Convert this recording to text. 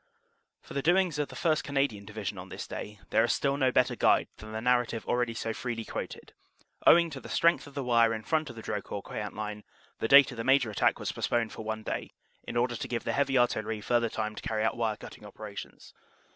For the doings of the 1st. Canadian Division on this day there is still no better guide than the narrative already so freely quoted, "Owing to the strength of the wire in front of the Drocourt Queant line, the date of the major attack was post poned for one day, in order to give the heavy artillery further time to carry out wire cutting operations.